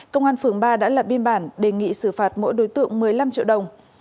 công an phường ba đã lập biên bản đề nghị xử phạt mỗi đối tượng một mươi năm triệu đồng